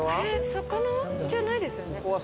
魚じゃないですよね。